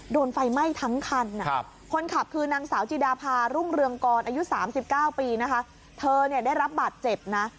โดนไฟไหม้ทั้งคันคนขับคือนางสาวจิดาพารุ่งเรืองกรอายุ๓๙ปีนะคะเธอเนี่ยได้รับบาดเจ็บนะ